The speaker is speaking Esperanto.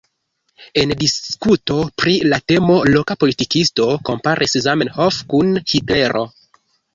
En diskuto pri la temo loka politikisto komparis Zamenhof kun Hitlero.